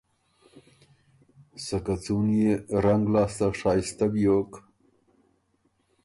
سکه څُون يې رنګ لاسته شائستۀ بیوک